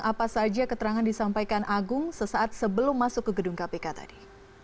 apa saja keterangan disampaikan agung sesaat sebelum masuk ke gedung kpk tadi